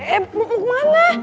eh mau ke mana